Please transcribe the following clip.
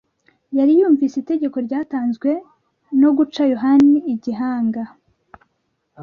yari yumvise itegeko ryatanzwe no guca Yohana igihanga